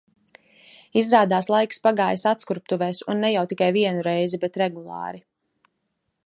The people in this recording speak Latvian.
Izrādās laiks pagājis atskurbtuvēs un ne jau tikai vienu reizi, bet regulāri.